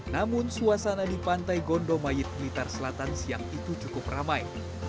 namun suasana di pantai gondomayit blitar selatan siang itu cukup ramai